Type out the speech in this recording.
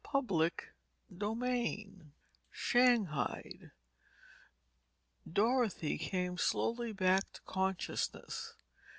Chapter VII SHANGHAIED Dorothy came slowly back to consciousness.